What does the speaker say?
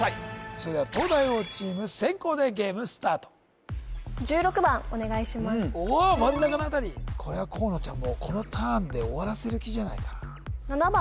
それでは東大王チーム先攻でゲームスタートおっ真ん中の辺りこれは河野ちゃんもうこのターンで終わらせる気じゃないかなあっ